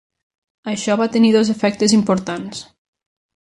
Això va tenir dos efectes importants.